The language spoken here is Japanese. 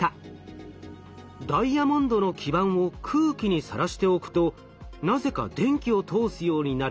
ダイヤモンドの基板を空気にさらしておくとなぜか電気を通すようになる。